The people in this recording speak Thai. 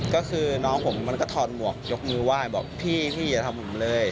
ก็คือน้องผมมันก็ถอดหมวกยกมือไหว้บอกพี่พี่อย่าทำผมเลย